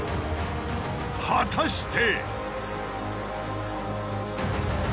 果たして！